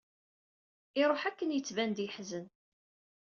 Iruḥ akken yettban-d yeḥzen.